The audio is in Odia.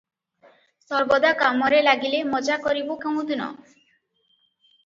ସର୍ବଦା କାମରେ ଲାଗିଲେ ମଜା କରିବୁଁ କେଉଁଦିନ?